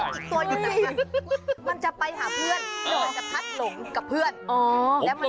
อีกตัวอยู่ไหนล่ะมันจะไปหาเพื่อนเดี๋ยวมันจะพัดหลงกับเพื่อน